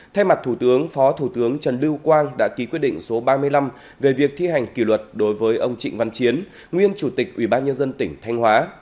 thay mặt thủ tướng phó thủ tướng trần lưu quang đã ký quyết định số ba mươi năm về việc thi hành kỷ luật đối với ông trịnh văn chiến nguyên chủ tịch ubnd tỉnh thanh hóa